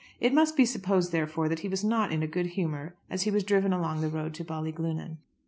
It must be supposed, therefore, that he was not in a good humour as he was driven along the road to Ballyglunin.